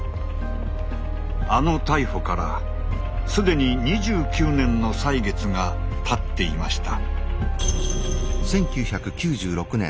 あの逮捕からすでに２９年の歳月がたっていました。